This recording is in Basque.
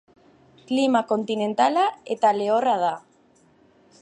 Klima kontinentala eta lehorra da.